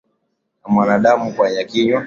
Na mwanadamu mwenye kinywa